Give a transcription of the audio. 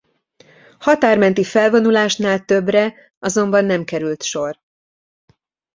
Határmenti felvonulásnál többre azonban nem került sor.